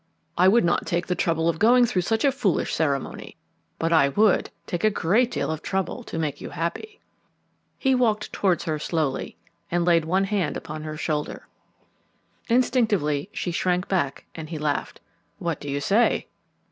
I would not take the trouble of going through such a foolish ceremony, but I would take a great deal of trouble to make you happy." He walked towards her slowly and laid one hand upon her shoulder. Instinctively she shrank back and he laughed. "What do you say?"